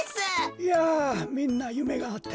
いやみんなゆめがあっていいなあ。